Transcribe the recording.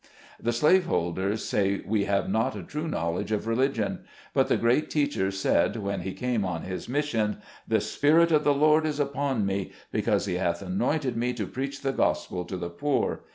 The slave holders say we have not a true knowledge of religion ; but the great Teacher said, when he came on his mission, "The Spirit of the Lord is upon me, because he hath anointed me to preach the Gospel to the poor.